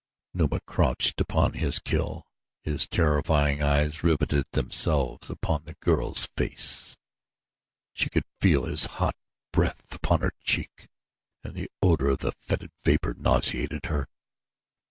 Numa crouched upon his kill. His terrifying eyes riveted themselves upon the girl's face she could feel his hot breath upon her cheek and the odor of the fetid vapor nauseated her.